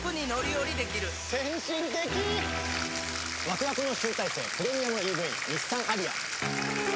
ワクワクの集大成プレミアムＥＶ日産アリア。